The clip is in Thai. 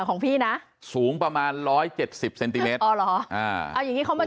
ของพี่นะสูงประมาณร้อยเจ็ดสิบเซนติเมตรอ๋อเหรออ่าเอาอย่างงี้เขามา